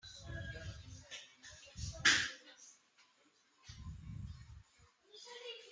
Il est l'oncle de Charles et de Henri Le Cour-Grandmaison.